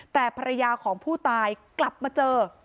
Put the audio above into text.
แต่ภรรยาของผู้ตายกลับมาเจอ